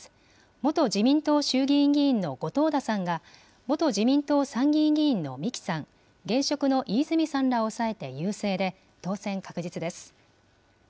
元自民党衆議院議員の後藤田さんが、元自民党参議院議員の三木さん、現職の飯泉さんらを抑えて優勢で、当選確実です。